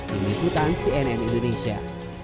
dimiliki tansi nm indonesia